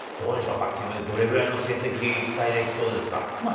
バッティングでどれぐらいの成績、期待できそうですか？